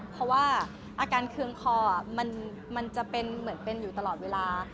เพราะว่าอาการเคืองคอมันจะเป็นเหมือนเป็นอยู่ตลอดเวลา